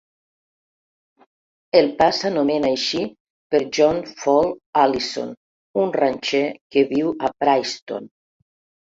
El pas s'anomena així per John Fall Allison, un ranxer que viu a Princeton.